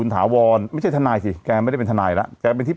ถ้าไปดูโซนไหนนะพี่